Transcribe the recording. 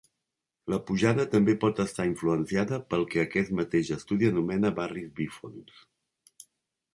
La pujada també pot estar influenciada pel que aquest mateix estudi anomena barris bífons.